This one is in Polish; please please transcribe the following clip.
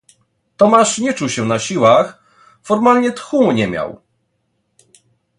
"Tomasz nie czuł się na siłach, formalnie tchu nie miał."